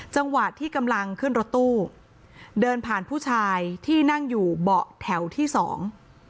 จังหวะที่กำลังขึ้นรถตู้เดินผ่านผู้ชายที่นั่งอยู่เบาะแถวที่สอง